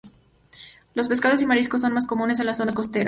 Los pescados y mariscos son más comunes en las zonas costeras.